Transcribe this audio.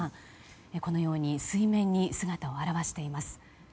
このように水面に姿を現しています。